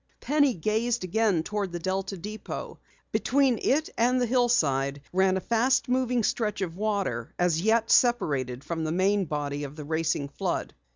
Penny gazed again toward the Delta depot. Between it and the hillside ran a fast moving stretch of water, yet separated from the main body of the racing flood.